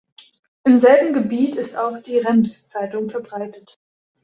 Im selben Gebiet ist auch die Rems-Zeitung verbreitet.